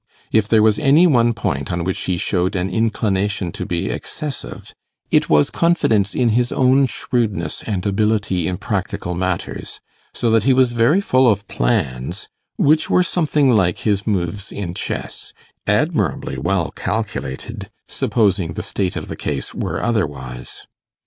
If there was any one point on which he showed an inclination to be excessive, it was confidence in his own shrewdness and ability in practical matters, so that he was very full of plans which were something like his moves in chess admirably well calculated, supposing the state of the case were otherwise.